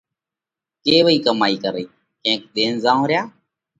ڪيوئِي ڪمائِي ڪرئِي؟ ڪينڪ ۮينَ زائونه ريا،